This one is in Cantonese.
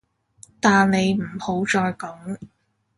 但你唔好再講